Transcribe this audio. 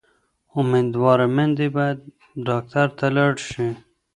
امیندواره میندې باید ډاکټر ته لاړې شي.